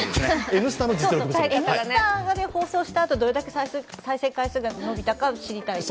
「Ｎスタ」で放送したあとどれだけ再生回数が伸びたか知りたいです。